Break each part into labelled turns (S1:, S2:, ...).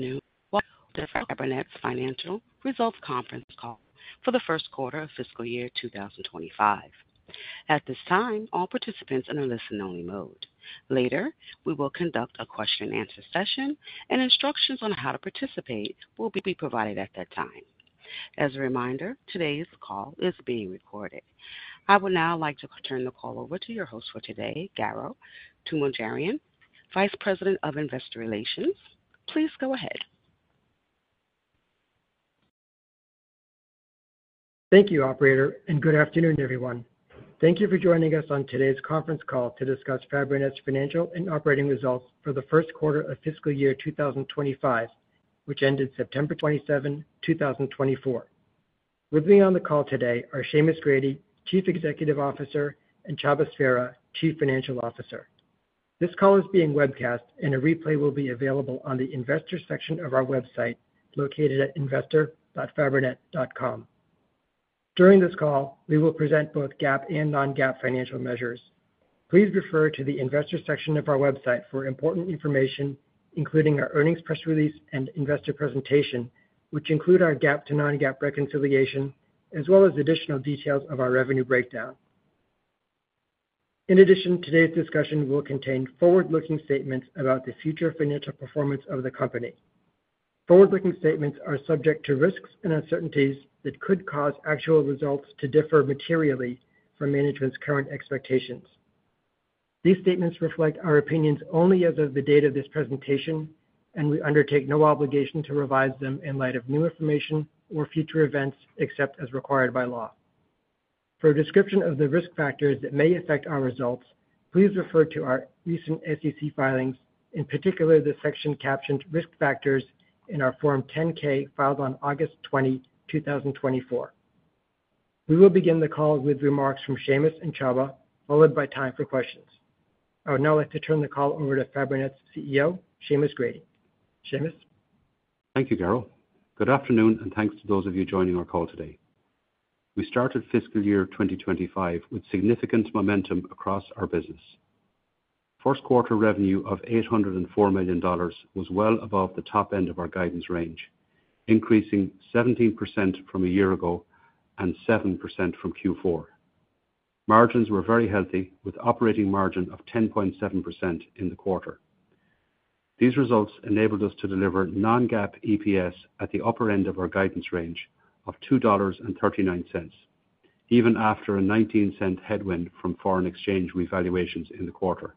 S1: Good afternoon. Welcome to the Fabrinet Financial Results Conference call for the first quarter of fiscal year 2025. At this time, all participants are in a listen-only mode. Later, we will conduct a question-and-answer session, and instructions on how to participate will be provided at that time. As a reminder, today's call is being recorded. I would now like to turn the call over to your host for today, Garo Toomajanian, Vice President of Investor Relations. Please go ahead.
S2: Thank you, Operator, and good afternoon, everyone. Thank you for joining us on today's conference call to discuss Fabrinet's financial and operating results for the first quarter of fiscal year 2025, which ended September 27, 2024. With me on the call today are Seamus Grady, Chief Executive Officer, and Csaba Farago, Chief Financial Officer. This call is being webcast, and a replay will be available on the investor section of our website located at investor.fabrinet.com. During this call, we will present both GAAP and non-GAAP financial measures. Please refer to the investor section of our website for important information, including our earnings press release and investor presentation, which include our GAAP-to-non-GAAP reconciliation, as well as additional details of our revenue breakdown. In addition, today's discussion will contain forward-looking statements about the future financial performance of the company. Forward-looking statements are subject to risks and uncertainties that could cause actual results to differ materially from management's current expectations. These statements reflect our opinions only as of the date of this presentation, and we undertake no obligation to revise them in light of new information or future events except as required by law. For a description of the risk factors that may affect our results, please refer to our recent SEC filings, in particular the section captioned "Risk Factors" in our Form 10-K filed on August 20, 2024. We will begin the call with remarks from Seamus and Chava, followed by time for questions. I would now like to turn the call over to Fabrinet's CEO, Seamus Grady. Seamus.
S3: Thank you, Garo. Good afternoon, and thanks to those of you joining our call today. We started fiscal year 2025 with significant momentum across our business. First quarter revenue of $804 million was well above the top end of our guidance range, increasing 17% from a year ago and 7% from Q4. Margins were very healthy, with an operating margin of 10.7% in the quarter. These results enabled us to deliver non-GAAP EPS at the upper end of our guidance range of $2.39, even after a $0.19 headwind from foreign exchange revaluations in the quarter.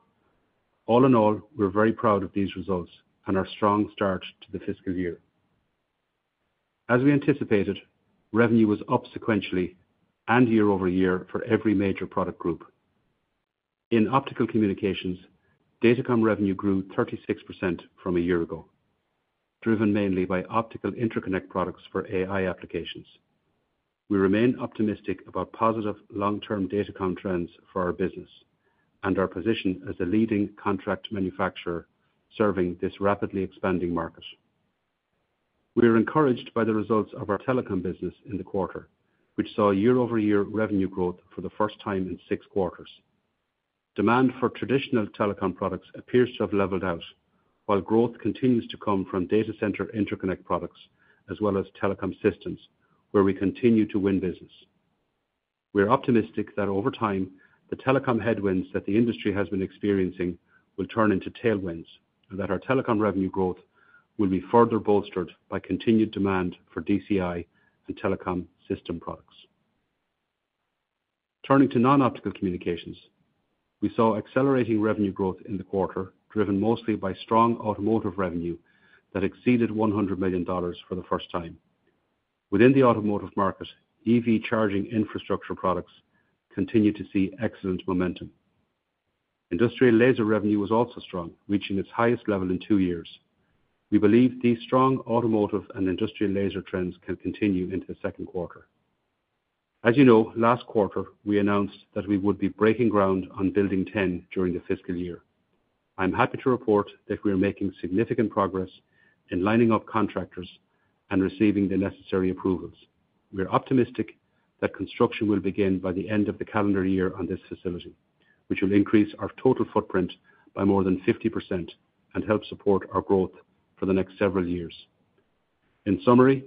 S3: All in all, we're very proud of these results and our strong start to the fiscal year. As we anticipated, revenue was up sequentially and year over year for every major product group. In optical communications, Datacom revenue grew 36% from a year ago, driven mainly by optical interconnect products for AI applications. We remain optimistic about positive long-term Datacom trends for our business and our position as a leading contract manufacturer serving this rapidly expanding market. We are encouraged by the results of our telecom business in the quarter, which saw year-over-year revenue growth for the first time in six quarters. Demand for traditional telecom products appears to have leveled out, while growth continues to come from data center interconnect products as well as telecom systems, where we continue to win business. We are optimistic that over time, the telecom headwinds that the industry has been experiencing will turn into tailwinds and that our telecom revenue growth will be further bolstered by continued demand for DCI and telecom system products. Turning to non-optical communications, we saw accelerating revenue growth in the quarter, driven mostly by strong automotive revenue that exceeded $100 million for the first time. Within the automotive market, EV charging infrastructure products continue to see excellent momentum. Industrial laser revenue was also strong, reaching its highest level in two years. We believe these strong automotive and industrial laser trends can continue into the second quarter. As you know, last quarter, we announced that we would be breaking ground on Building 10 during the fiscal year. I'm happy to report that we are making significant progress in lining up contractors and receiving the necessary approvals. We are optimistic that construction will begin by the end of the calendar year on this facility, which will increase our total footprint by more than 50% and help support our growth for the next several years. In summary,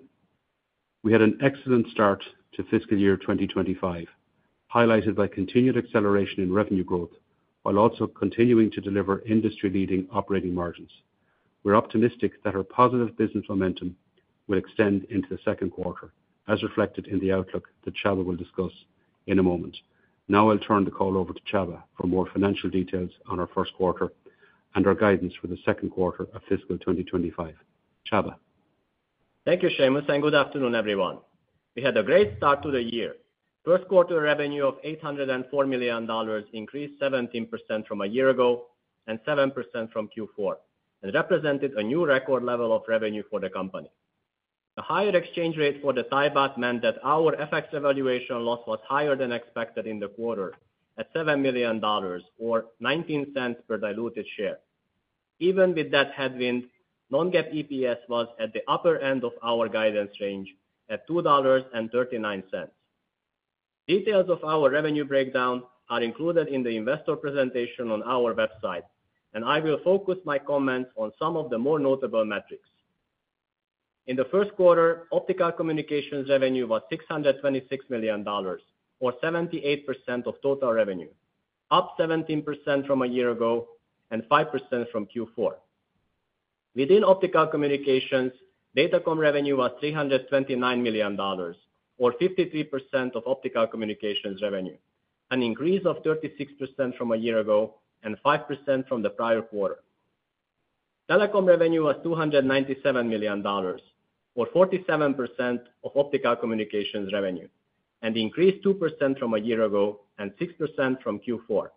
S3: we had an excellent start to fiscal year 2025, highlighted by continued acceleration in revenue growth while also continuing to deliver industry-leading operating margins. We're optimistic that our positive business momentum will extend into the second quarter, as reflected in the outlook that Csaba will discuss in a moment. Now, I'll turn the call over to Csaba for more financial details on our first quarter and our guidance for the second quarter of fiscal 2025. Csaba.
S4: Thank you, Seamus, and good afternoon, everyone. We had a great start to the year. First quarter revenue of $804 million increased 17% from a year ago and 7% from Q4, and represented a new record level of revenue for the company. The higher exchange rate for the THB meant that our FX revaluation loss was higher than expected in the quarter at $7 million, or $0.19 per diluted share. Even with that headwind, non-GAAP EPS was at the upper end of our guidance range at $2.39. Details of our revenue breakdown are included in the investor presentation on our website, and I will focus my comments on some of the more notable metrics. In the first quarter, optical communications revenue was $626 million, or 78% of total revenue, up 17% from a year ago and 5% from Q4. Within optical communications, Datacom revenue was $329 million, or 53% of optical communications revenue, an increase of 36% from a year ago and 5% from the prior quarter. Telecom revenue was $297 million, or 47% of optical communications revenue, and increased 2% from a year ago and 6% from Q4.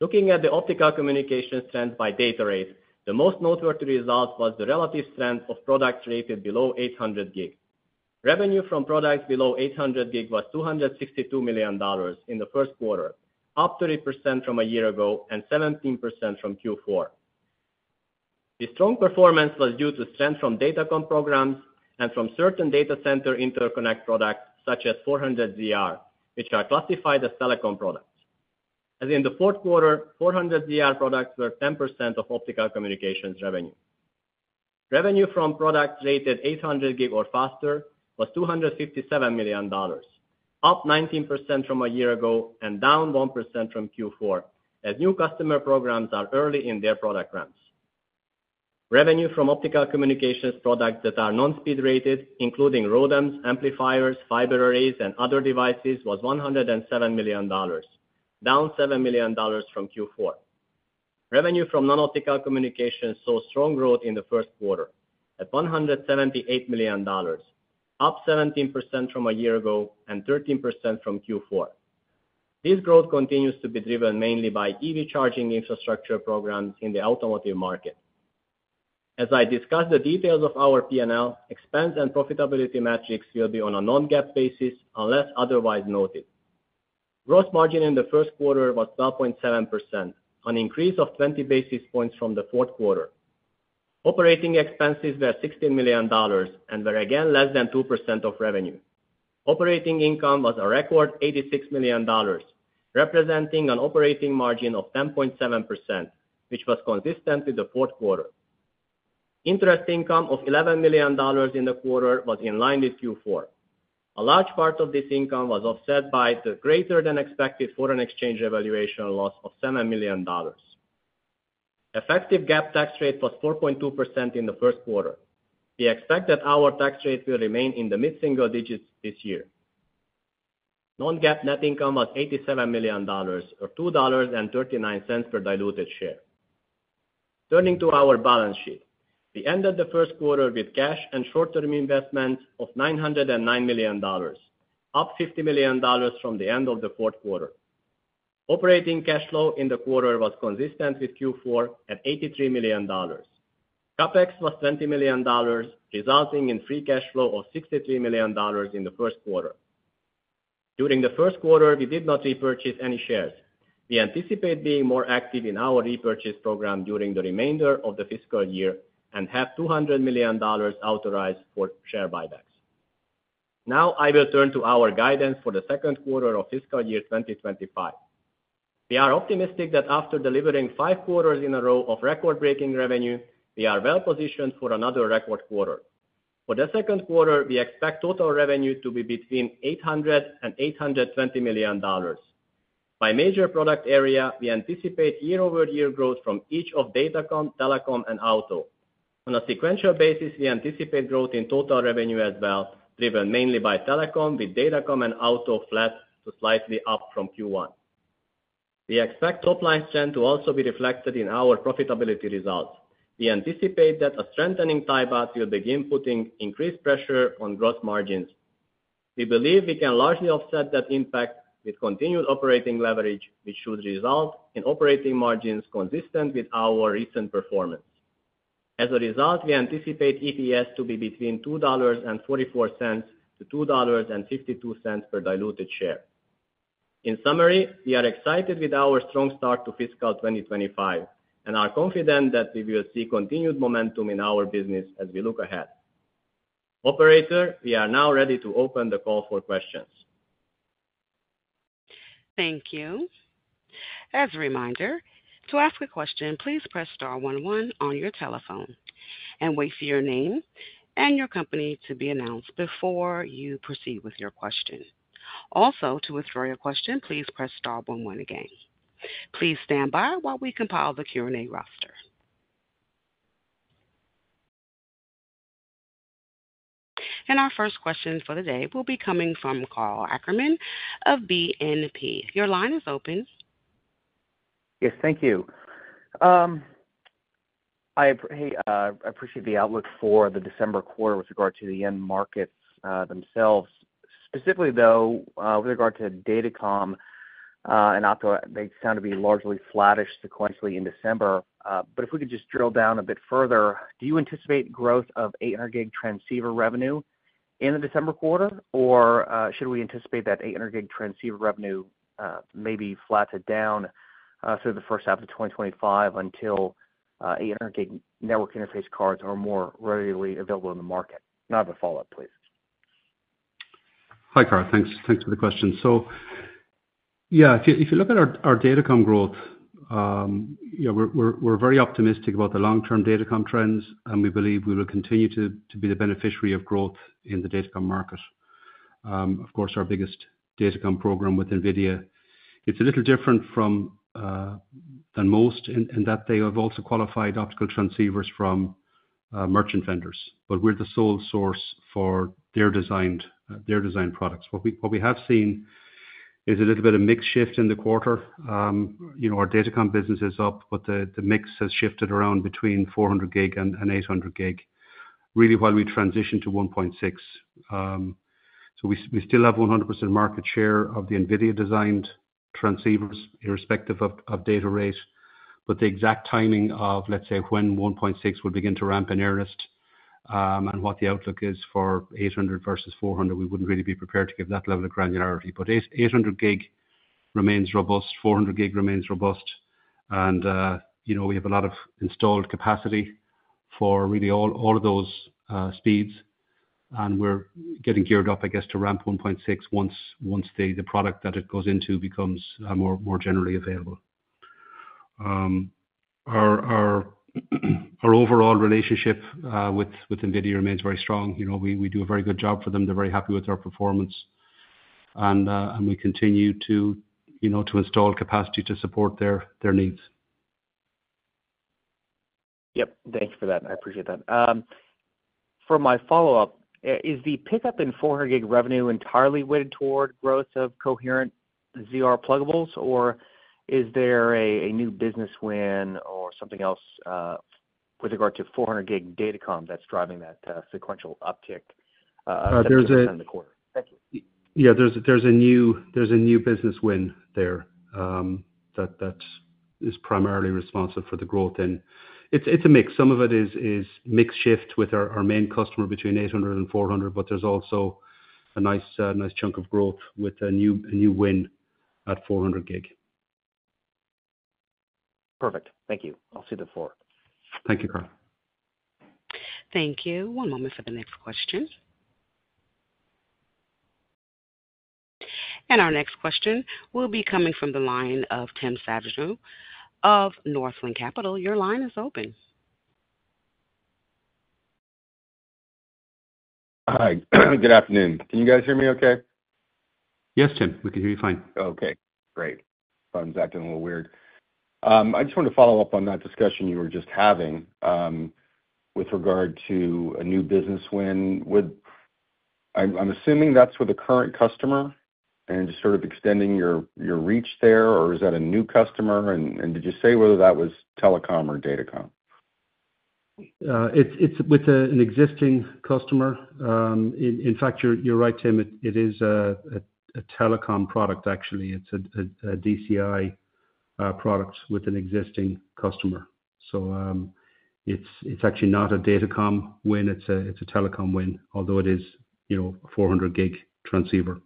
S4: Looking at the optical communications trend by data rate, the most noteworthy result was the relative strength of products rated below 800 gig. Revenue from products below 800 gig was $262 million in the first quarter, up 30% from a year ago and 17% from Q4. The strong performance was due to strength from Datacom programs and from certain data center interconnect products such as 400ZR, which are classified as telecom products. As in the fourth quarter, 400ZR products were 10% of optical communications revenue. Revenue from products rated 800 gig or faster was $257 million, up 19% from a year ago and down 1% from Q4, as new customer programs are early in their product ramps. Revenue from optical communications products that are non-speed rated, including ROADMs, amplifiers, fiber arrays, and other devices, was $107 million, down $7 million from Q4. Revenue from non-optical communications saw strong growth in the first quarter at $178 million, up 17% from a year ago and 13% from Q4. This growth continues to be driven mainly by EV charging infrastructure programs in the automotive market. As I discussed the details of our P&L, expense and profitability metrics will be on a non-GAAP basis unless otherwise noted. Gross margin in the first quarter was 12.7%, an increase of 20 basis points from the fourth quarter. Operating expenses were $16 million and were again less than 2% of revenue. Operating income was a record $86 million, representing an operating margin of 10.7%, which was consistent with the fourth quarter. Interest income of $11 million in the quarter was in line with Q4. A large part of this income was offset by the greater-than-expected foreign exchange revaluation loss of $7 million. Effective GAAP tax rate was 4.2% in the first quarter. We expect that our tax rate will remain in the mid-single digits this year. Non-GAAP net income was $87 million, or $2.39 per diluted share. Turning to our balance sheet, we ended the first quarter with cash and short-term investments of $909 million, up $50 million from the end of the fourth quarter. Operating cash flow in the quarter was consistent with Q4 at $83 million. Capex was $20 million, resulting in free cash flow of $63 million in the first quarter. During the first quarter, we did not repurchase any shares. We anticipate being more active in our repurchase program during the remainder of the fiscal year and have $200 million authorized for share buybacks. Now, I will turn to our guidance for the second quarter of fiscal year 2025. We are optimistic that after delivering five quarters in a row of record-breaking revenue, we are well-positioned for another record quarter. For the second quarter, we expect total revenue to be between $800 and $820 million. By major product area, we anticipate year-over-year growth from each of Datacom, Telecom, and auto. On a sequential basis, we anticipate growth in total revenue as well, driven mainly by Telecom, with Datacom and auto flat to slightly up from Q1. We expect top-line strength to also be reflected in our profitability results. We anticipate that a strengthening THB will begin putting increased pressure on gross margins. We believe we can largely offset that impact with continued operating leverage, which should result in operating margins consistent with our recent performance. As a result, we anticipate EPS to be between $2.44-$2.52 per diluted share. In summary, we are excited with our strong start to fiscal 2025 and are confident that we will see continued momentum in our business as we look ahead. Operator, we are now ready to open the call for questions.
S1: Thank you. As a reminder, to ask a question, please press star 11 on your telephone and wait for your name and your company to be announced before you proceed with your question. Also, to withdraw your question, please press star 11 again. Please stand by while we compile the Q&A roster. And our first question for the day will be coming from Karl Ackerman of BNP. Your line is open.
S5: Yes, thank you. I appreciate the outlook for the December quarter with regard to the end markets themselves. Specifically, though, with regard to Datacom, they sound to be largely flattish sequentially in December. But if we could just drill down a bit further, do you anticipate growth of 800-gig transceiver revenue in the December quarter, or should we anticipate that 800-gig transceiver revenue may be flattened down through the first half of 2025 until 800-gig network interface cards are more readily available in the market? Now, the follow-up, please.
S3: Hi, Karl. Thanks for the question. So, yeah, if you look at our Datacom growth, we're very optimistic about the long-term Datacom trends, and we believe we will continue to be the beneficiary of growth in the Datacom market. Of course, our biggest Datacom program with NVIDIA, it's a little different than most in that they have also qualified optical transceivers from merchant vendors, but we're the sole source for their designed products. What we have seen is a little bit of mixed shift in the quarter. Our Datacom business is up, but the mix has shifted around between 400 gig and 800 gig, really while we transitioned to 1.6. So we still have 100% market share of the NVIDIA-designed transceivers, irrespective of data rate. But the exact timing of, let's say, when 1.6 will begin to ramp in earnest and what the outlook is for 800 versus 400, we wouldn't really be prepared to give that level of granularity. But 800 gig remains robust, 400 gig remains robust, and we have a lot of installed capacity for really all of those speeds. And we're getting geared up, I guess, to ramp 1.6 once the product that it goes into becomes more generally available. Our overall relationship with NVIDIA remains very strong. We do a very good job for them. They're very happy with our performance, and we continue to install capacity to support their needs.
S5: Yep. Thank you for that. I appreciate that. For my follow-up, is the pickup in 400-gig revenue entirely weighted toward growth of coherent ZR pluggables, or is there a new business win or something else with regard to 400-gig Datacom that's driving that sequential uptick in the quarter?
S3: Yeah, there's a new business win there that is primarily responsible for the growth. And it's a mix. Some of it is mixed shift with our main customer between 800 and 400, but there's also a nice chunk of growth with a new win at 400 gig.
S5: Perfect. Thank you. I'll see the four.
S3: Thank you, Karl.
S1: Thank you. One moment for the next question. Our next question will be coming from the line of Tim Savageaux of Northland Capital Markets. Your line is open.
S6: Hi. Good afternoon. Can you guys hear me okay?
S3: Yes, Tim. We can hear you fine.
S6: Okay. Great. The phone's acting a little weird. I just wanted to follow up on that discussion you were just having with regard to a new business win. I'm assuming that's with a current customer and just sort of extending your reach there, or is that a new customer? And did you say whether that was telecom or Datacom?
S3: It's with an existing customer. In fact, you're right, Tim. It is a telecom product, actually. It's a DCI product with an existing customer. So it's actually not a Datacom win. It's a telecom win, although it is a 400-gig transceiver.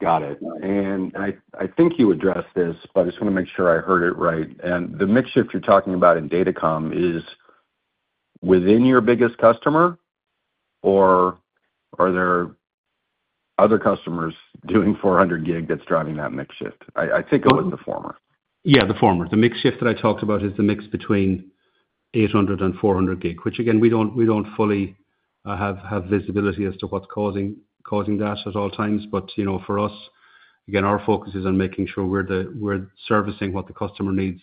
S6: Got it. And I think you addressed this, but I just want to make sure I heard it right. And the mixture you're talking about in Datacom is within your biggest customer, or are there other customers doing 400 gig that's driving that mix shift? I think it was the former.
S3: Yeah, the former. The mix shift that I talked about is the mix between 800 and 400 gig, which, again, we don't fully have visibility as to what's causing that at all times. But for us, again, our focus is on making sure we're servicing what the customer needs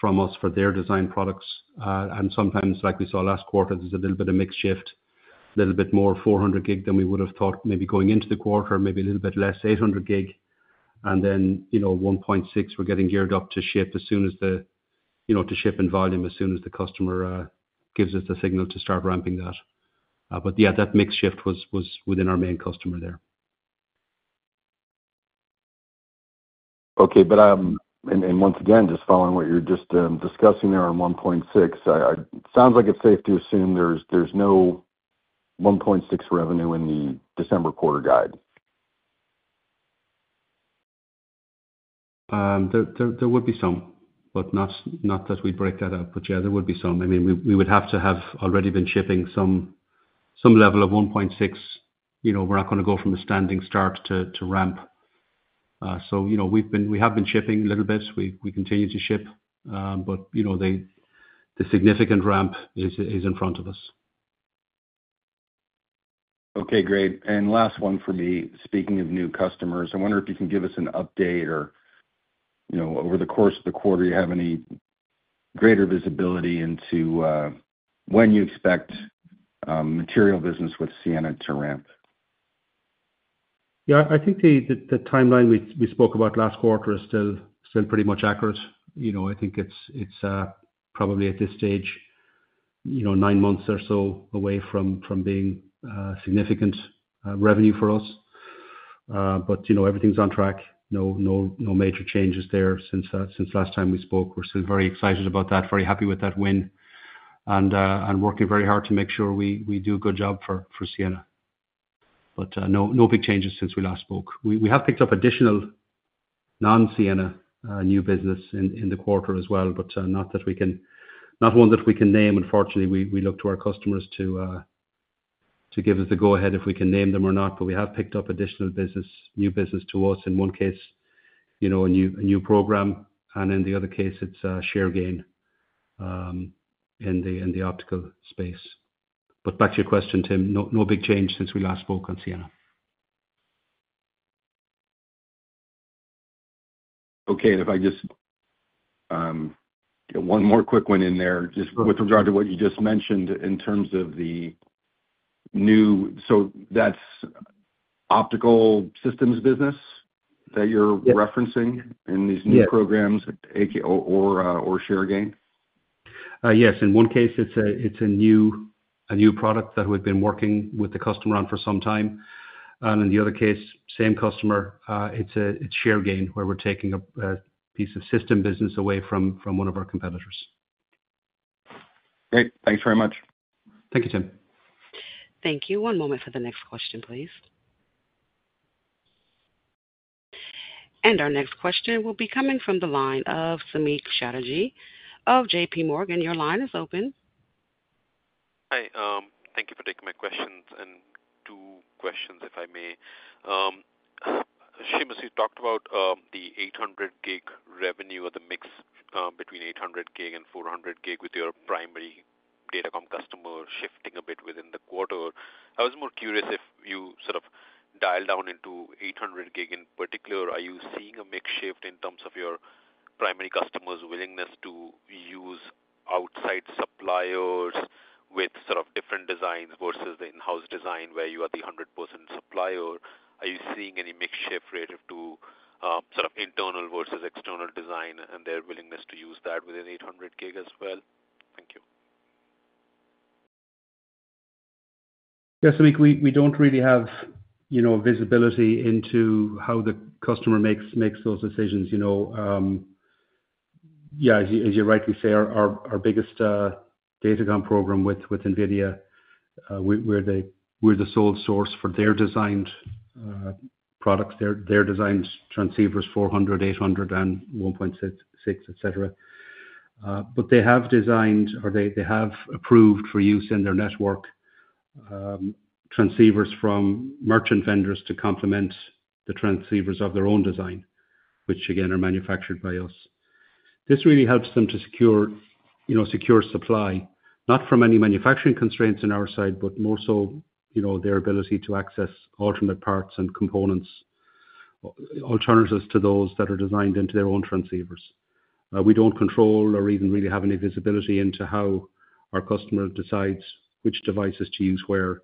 S3: from us for their design products. And sometimes, like we saw last quarter, there's a little bit of mixed shift, a little bit more 400 gig than we would have thought maybe going into the quarter, maybe a little bit less 800 gig. And then 1.6, we're getting geared up to ship as soon as the to ship in volume as soon as the customer gives us the signal to start ramping that. But yeah, that mix shift was within our main customer there.
S6: Okay. And once again, just following what you're just discussing there on 1.6, it sounds like it's safe to assume there's no 1.6 revenue in the December quarter guide.
S3: There would be some, but not as we break that out. But yeah, there would be some. I mean, we would have to have already been shipping some level of 1.6. We're not going to go from a standing start to ramp. So we have been shipping a little bit. We continue to ship, but the significant ramp is in front of us.
S6: Okay. Great. And last one for me, speaking of new customers, I wonder if you can give us an update or over the course of the quarter, you have any greater visibility into when you expect material business with Ciena to ramp?
S3: Yeah, I think the timeline we spoke about last quarter is still pretty much accurate. I think it's probably at this stage, nine months or so away from being significant revenue for us. But everything's on track. No major changes there since last time we spoke. We're still very excited about that, very happy with that win, and working very hard to make sure we do a good job for Ciena. But no big changes since we last spoke. We have picked up additional non-Ciena new business in the quarter as well, but not one that we can name. Unfortunately, we look to our customers to give us the go-ahead if we can name them or not, but we have picked up additional new business to us. In one case, a new program, and in the other case, it's share gain in the optical space. But back to your question, Tim, no big change since we last spoke on Ciena.
S6: Okay. And if I just get one more quick one in there, just with regard to what you just mentioned in terms of the new, so that's optical systems business that you're referencing in these new programs or share gain?
S3: Yes. In one case, it's a new product that we've been working with the customer on for some time. And in the other case, same customer, it's share gain where we're taking a piece of system business away from one of our competitors.
S6: Great. Thanks very much.
S3: Thank you, Tim.
S1: Thank you. One moment for the next question, please. And our next question will be coming from the line of Samik Chatterjee of J.P. Morgan. Your line is open.
S6: Hi. Thank you for taking my questions. I have two questions, if I may. Seamus talked about the 800-gig revenue or the mix between 800-gig and 400-gig with your primary Datacom customer shifting a bit within the quarter. I was more curious if you sort of dialed down into 800-gig in particular. Are you seeing a mix shift in terms of your primary customer's willingness to use outside suppliers with sort of different designs versus the in-house design where you are the 100% supplier? Are you seeing any mix shift relative to sort of internal versus external design and their willingness to use that within 800-gig as well? Thank you.
S3: Yeah. Samik, we don't really have visibility into how the customer makes those decisions. Yeah, as you rightly say, our biggest Datacom program with NVIDIA, we're the sole source for their designed products, their designed transceivers, 400, 800, and 1.6, etc. But they have designed or they have approved for use in their network transceivers from merchant vendors to complement the transceivers of their own design, which, again, are manufactured by us. This really helps them to secure supply, not from any manufacturing constraints on our side, but more so their ability to access alternate parts and components, alternatives to those that are designed into their own transceivers. We don't control or even really have any visibility into how our customer decides which devices to use where.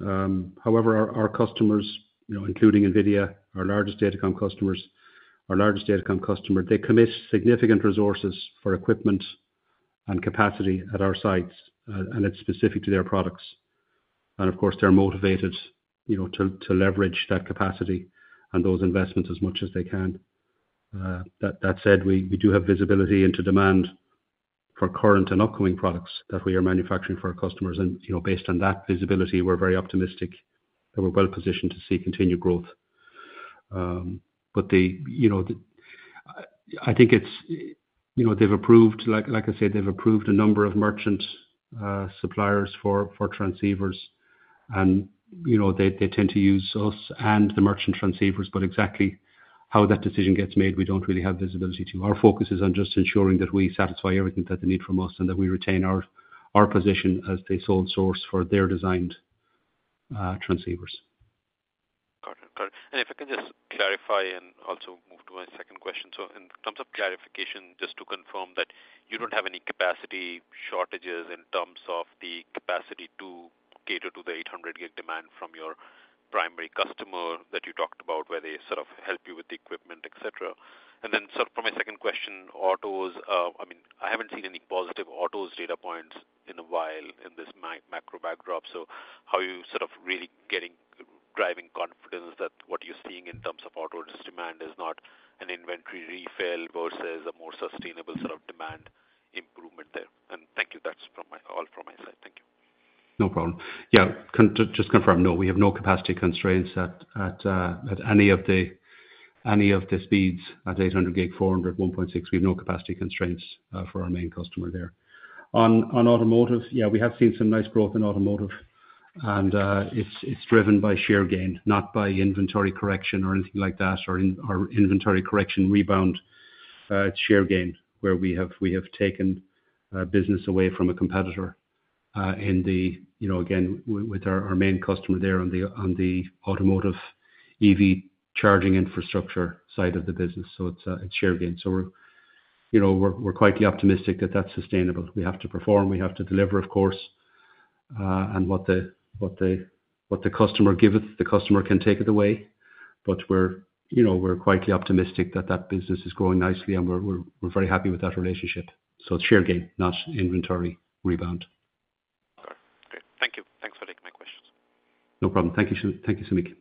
S3: However, our customers, including NVIDIA, our largest Datacom customers, our largest Datacom customer, they commit significant resources for equipment and capacity at our sites, and it's specific to their products, and of course, they're motivated to leverage that capacity and those investments as much as they can. That said, we do have visibility into demand for current and upcoming products that we are manufacturing for our customers, and based on that visibility, we're very optimistic that we're well positioned to see continued growth, but I think they've approved, like I said, they've approved a number of merchant suppliers for transceivers, and they tend to use us and the merchant transceivers, but exactly how that decision gets made, we don't really have visibility to. Our focus is on just ensuring that we satisfy everything that they need from us and that we retain our position as the sole source for their designed transceivers.
S6: Got it. Got it. And if I can just clarify and also move to my second question. So in terms of clarification, just to confirm that you don't have any capacity shortages in terms of the capacity to cater to the 800-gig demand from your primary customer that you talked about, where they sort of help you with the equipment, etc. And then sort of from my second question, autos, I mean, I haven't seen any positive autos data points in a while in this macro backdrop. So how are you sort of really driving confidence that what you're seeing in terms of auto just demand is not an inventory refill versus a more sustainable sort of demand improvement there? And thank you. That's all from my side. Thank you.
S3: No problem. Yeah. Just to confirm, no, we have no capacity constraints at any of the speeds at 800 gig, 400, 1.6. We have no capacity constraints for our main customer there. On automotive, yeah, we have seen some nice growth in automotive, and it's driven by share gain, not by inventory correction or anything like that, or inventory correction rebound. It's share gain where we have taken business away from a competitor in the, again, with our main customer there on the automotive EV charging infrastructure side of the business. So it's share gain. So we're quite optimistic that that's sustainable. We have to perform. We have to deliver, of course, and what the customer gives us, the customer can take it away. But we're quite optimistic that that business is growing nicely, and we're very happy with that relationship. So it's share gain, not inventory rebound.
S6: Got it. Great. Thank you. Thanks for taking my questions.
S3: No problem. Thank you, Samik.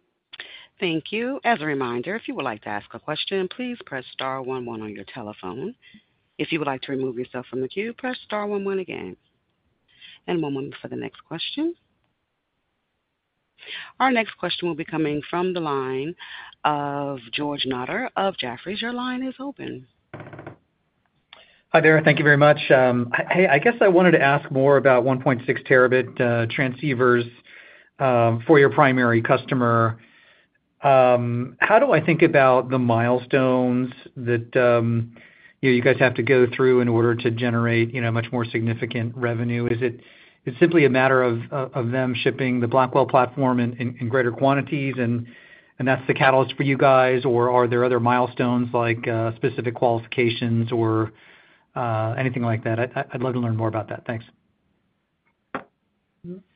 S1: Thank you. As a reminder, if you would like to ask a question, please press star 11 on your telephone. If you would like to remove yourself from the queue, press star 11 again, and one moment for the next question. Our next question will be coming from the line of George Notter of Jefferies. Your line is open.
S7: Hi there. Thank you very much. Hey, I guess I wanted to ask more about 1.6 terabit transceivers for your primary customer. How do I think about the milestones that you guys have to go through in order to generate much more significant revenue? Is it simply a matter of them shipping the Blackwell platform in greater quantities, and that's the catalyst for you guys, or are there other milestones like specific qualifications or anything like that? I'd love to learn more about that. Thanks.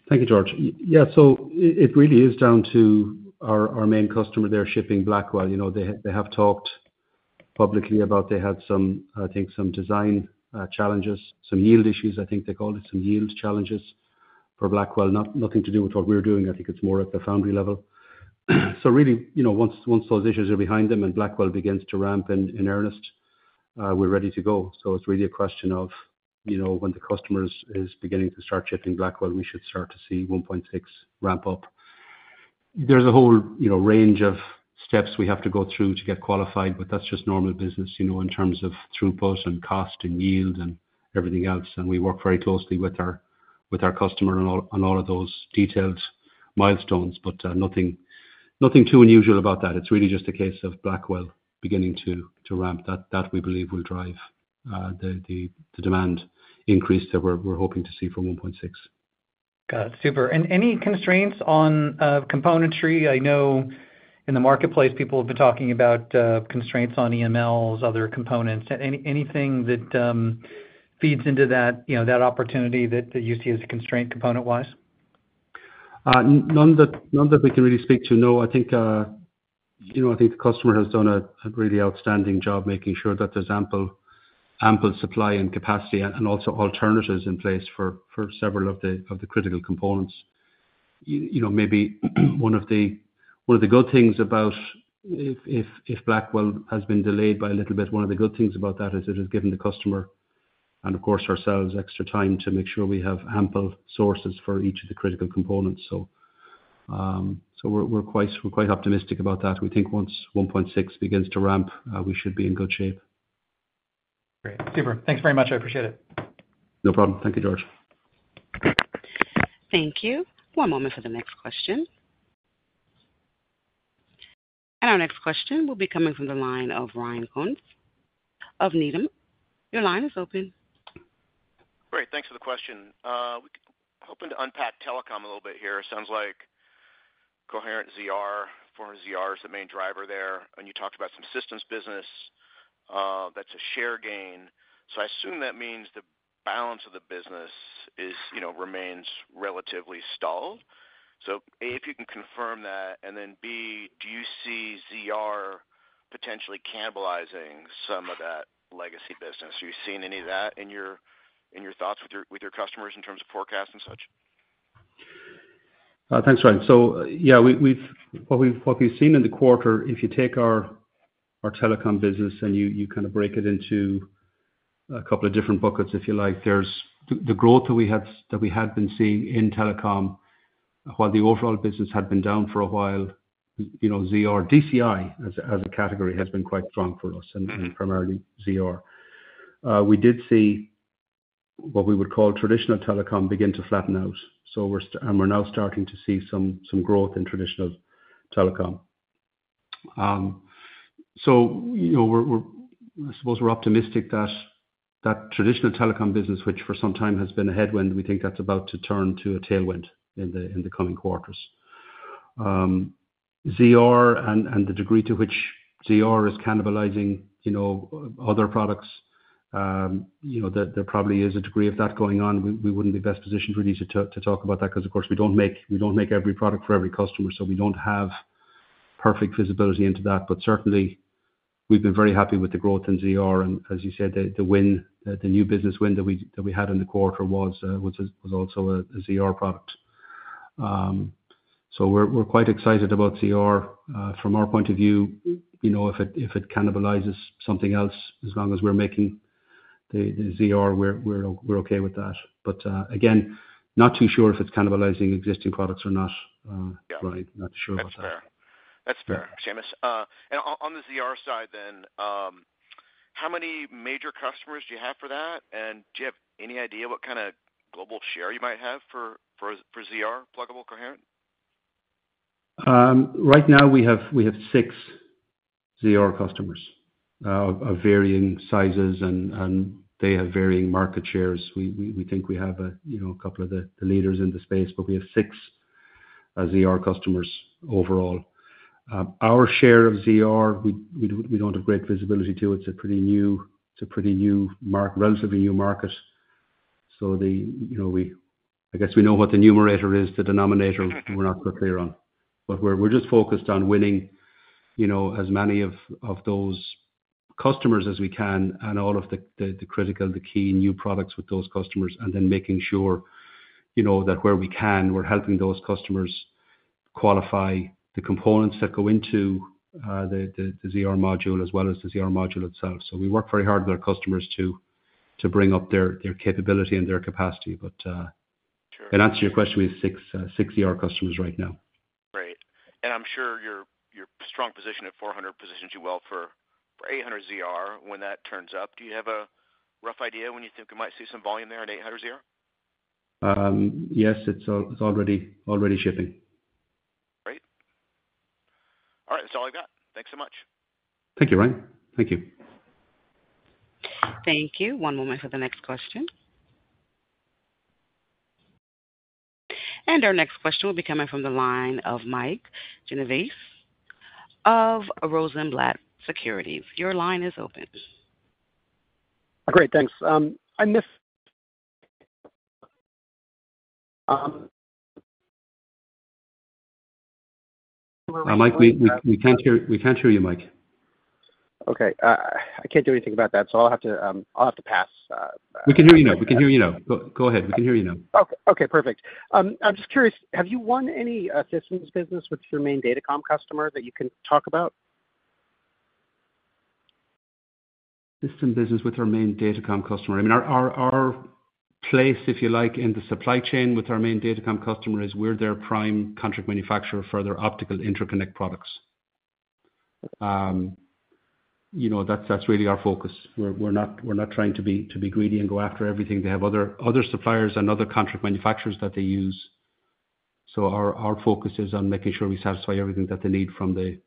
S3: Thank you, George. Yeah. So it really is down to our main customer there shipping Blackwell. They have talked publicly about they had, I think, some design challenges, some yield issues, I think they called it, some yield challenges for Blackwell, nothing to do with what we're doing. I think it's more at the foundry level. So really, once those issues are behind them and Blackwell begins to ramp in earnest, we're ready to go. So it's really a question of when the customer is beginning to start shipping Blackwell, we should start to see 1.6 ramp up. There's a whole range of steps we have to go through to get qualified, but that's just normal business in terms of throughput and cost and yield and everything else. And we work very closely with our customer on all of those detailed milestones, but nothing too unusual about that. It's really just a case of Blackwell beginning to ramp. That we believe will drive the demand increase that we're hoping to see for 1.6.
S7: Got it. Super. And any constraints on componentry? I know in the marketplace, people have been talking about constraints on EMLs, other components. Anything that feeds into that opportunity that you see as a constraint component-wise?
S3: None that we can really speak to. No. I think the customer has done a really outstanding job making sure that there's ample supply and capacity and also alternatives in place for several of the critical components. Maybe one of the good things about if Blackwell has been delayed by a little bit, one of the good things about that is it has given the customer and, of course, ourselves, extra time to make sure we have ample sources for each of the critical components. So we're quite optimistic about that. We think once 1.6 begins to ramp, we should be in good shape.
S7: Great. Super. Thanks very much. I appreciate it.
S3: No problem. Thank you, George.
S1: Thank you. One moment for the next question, and our next question will be coming from the line of Ryan Koontz of Needham. Your line is open.
S8: Great. Thanks for the question. Hoping to unpack telecom a little bit here. It sounds like Coherent ZR, 400ZR, is the main driver there. And you talked about some systems business. That's a share gain. So I assume that means the balance of the business remains relatively stalled. So A, if you can confirm that, and then B, do you see ZR potentially cannibalizing some of that legacy business? Are you seeing any of that in your thoughts with your customers in terms of forecasts and such?
S3: Thanks, Ryan. So yeah, what we've seen in the quarter, if you take our telecom business and you kind of break it into a couple of different buckets, if you like, there's the growth that we had been seeing in telecom while the overall business had been down for a while, ZR, DCI as a category has been quite strong for us, and primarily ZR. We did see what we would call traditional telecom begin to flatten out, and we're now starting to see some growth in traditional telecom, so I suppose we're optimistic that traditional telecom business, which for some time has been a headwind, we think that's about to turn to a tailwind in the coming quarters. ZR and the degree to which ZR is cannibalizing other products, there probably is a degree of that going on. We wouldn't be best positioned really to talk about that because, of course, we don't make every product for every customer, so we don't have perfect visibility into that. But certainly, we've been very happy with the growth in ZR. And as you said, the new business win that we had in the quarter was also a ZR product. So we're quite excited about ZR from our point of view. If it cannibalizes something else, as long as we're making the ZR, we're okay with that. But again, not too sure if it's cannibalizing existing products or not, Ryan. Not sure about that.
S8: That's fair. That's fair. Seamless. And on the ZR side then, how many major customers do you have for that? And do you have any idea what kind of global share you might have for ZR, pluggable, coherent?
S3: Right now, we have six ZR customers of varying sizes, and they have varying market shares. We think we have a couple of the leaders in the space, but we have six ZR customers overall. Our share of ZR, we don't have great visibility to. It's a pretty new, relatively new market. So I guess we know what the numerator is, the denominator. We're not quite clear on. But we're just focused on winning as many of those customers as we can and all of the critical, the key new products with those customers, and then making sure that where we can, we're helping those customers qualify the components that go into the ZR module as well as the ZR module itself. So we work very hard with our customers to bring up their capability and their capacity. But in answer to your question, we have six ZR customers right now.
S8: Great. And I'm sure your strong position at 400 positions you well for 800ZR when that turns up. Do you have a rough idea when you think we might see some volume there at 800ZR?
S3: Yes. It's already shipping.
S8: Great. All right. That's all I got. Thanks so much.
S3: Thank you, Ryan. Thank you.
S1: Thank you. One moment for the next question. And our next question will be coming from the line of Mike Genovese of Rosenblatt Securities. Your line is open.
S9: Great. Thanks. I miss.
S3: Mike, we can't hear you, Mike.
S9: Okay. I can't do anything about that, so I'll have to pass.
S3: We can hear you now. Go ahead.
S9: Okay. Okay. Perfect. I'm just curious, have you won any systems business with your main data comm customer that you can talk about?
S3: System business with our main Datacom customer. I mean, our place, if you like, in the supply chain with our main Datacom customer is we're their prime contract manufacturer for their optical interconnect products. That's really our focus. We're not trying to be greedy and go after everything. They have other suppliers and other contract manufacturers that they use. So our focus is on making sure we satisfy everything that they need on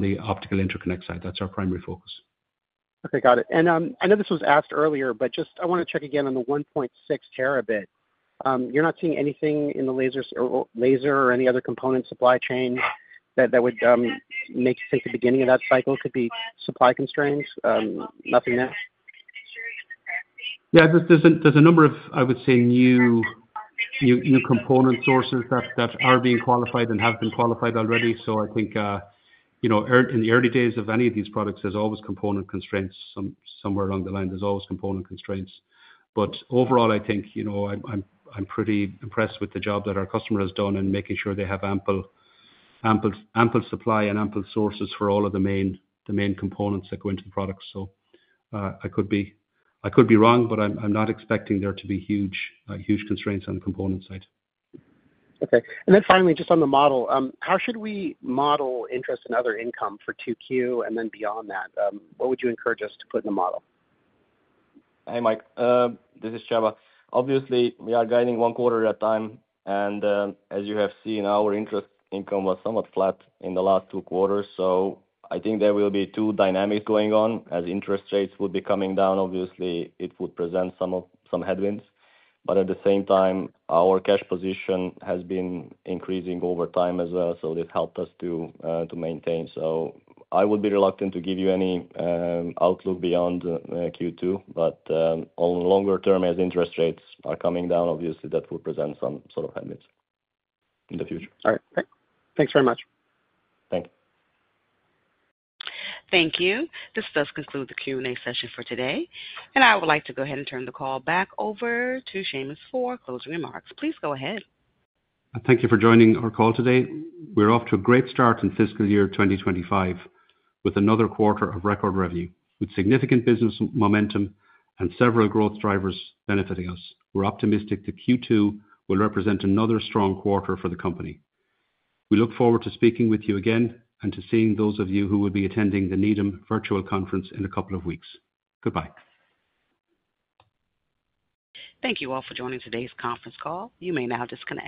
S3: the optical interconnect side. That's our primary focus.
S9: Okay. Got it. And I know this was asked earlier, but just I want to check again on the 1.6 terabit. You're not seeing anything in the laser or any other component supply chain that would make you think the beginning of that cycle could be supply constraints? Nothing there?
S3: Yeah. There's a number of, I would say, new component sources that are being qualified and have been qualified already. So I think in the early days of any of these products, there's always component constraints. Somewhere along the line, there's always component constraints. But overall, I think I'm pretty impressed with the job that our customer has done in making sure they have ample supply and ample sources for all of the main components that go into the products. So I could be wrong, but I'm not expecting there to be huge constraints on the component side.
S9: Okay. And then finally, just on the model, how should we model interest in other income for 2Q and then beyond that? What would you encourage us to put in the model?
S4: Hi, Mike. This is Csaba. Obviously, we are guiding one quarter at a time. And as you have seen, our interest income was somewhat flat in the last two quarters. So I think there will be two dynamics going on. As interest rates would be coming down, obviously, it would present some headwinds. But at the same time, our cash position has been increasing over time as well, so it helped us to maintain. So I would be reluctant to give you any outlook beyond Q2. But on the longer term, as interest rates are coming down, obviously, that would present some sort of headwinds in the future.
S9: All right. Thanks very much.
S4: Thank you.
S1: Thank you. This does conclude the Q&A session for today. And I would like to go ahead and turn the call back over to Seamus for closing remarks. Please go ahead.
S3: Thank you for joining our call today. We're off to a great start in fiscal year 2025 with another quarter of record revenue, with significant business momentum and several growth drivers benefiting us. We're optimistic the Q2 will represent another strong quarter for the company. We look forward to speaking with you again and to seeing those of you who will be attending the Needham virtual conference in a couple of weeks. Goodbye.
S1: Thank you all for joining today's conference call. You may now disconnect.